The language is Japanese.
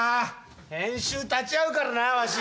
編集立ち会うからなわし。